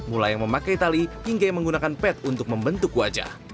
mulai yang memakai tali hingga yang menggunakan pet untuk membentuk wajah